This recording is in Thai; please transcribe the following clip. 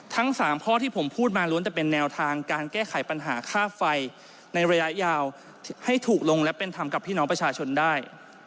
ทั้ง๓ข้อที่ผมพูดมาล้วนจะเป็นแนวทางการแก้ไขปัญหาค่าไฟในระยะยาวให้ถูกลงและเป็นธรรมกับพี่น้องประชาชนได้